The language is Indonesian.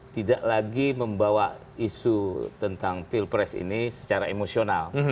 tidak lagi membawa isu tentang pilpres ini secara emosional